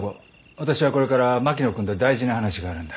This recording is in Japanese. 私はこれから槙野君と大事な話があるんだ。